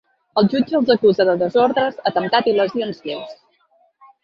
El jutge els acusa de desordres, atemptat i lesions lleus.